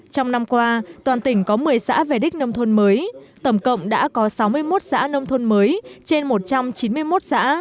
trong năm qua toàn tỉnh có một mươi xã về đích nông thôn mới tổng cộng đã có sáu mươi một xã nông thôn mới trên một trăm chín mươi một xã